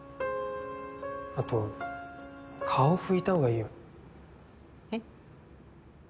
あと顔拭いたほうがいいよ。え？